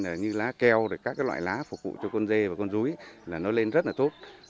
các loại lá keo các loại lá phục vụ cho con dê và con rúi lên rất là tốt